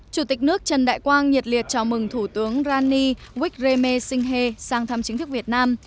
chủ tịch nước trần đại quang nhiệt liệt chào mừng thủ tướng rani wikreme singhe sang thăm chính thức việt nam